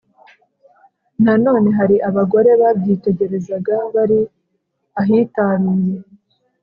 Nanone hari abagore babyitegerezaga bari ahitaruye